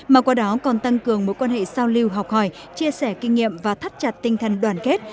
mà qua đó còn tăng cường mối quan hệ sao lưu học hỏi chia sẻ kinh nghiệm và thắt chặt tinh thần đoàn kết